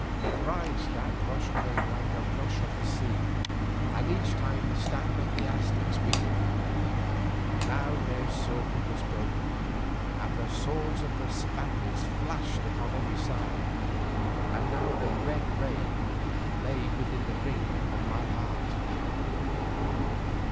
Thrice that rush came like a rush of the sea, and each time the stand of the Aztecs weakened. Now their circle was broken and the swords of the Spaniards flashed up on every side, and now the red ray lay within the ring upon my heart.